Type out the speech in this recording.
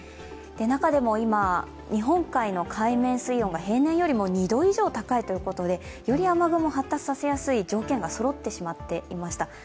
中でも今、日本海の海面水温が平年よりも２度以上高いということでより雨雲が発達させやすい条件がそろっていました。